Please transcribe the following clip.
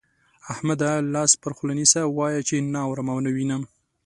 احمده! لاس پر خوله نيسه، وايه چې نه اورم او نه وينم.